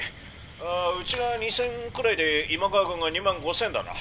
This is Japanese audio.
あうちが２，０００くらいで今川軍が２万５，０００だな」。